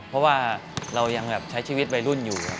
เพราะว่าเรายังใช้ชีวิตวัยรุ่นอยู่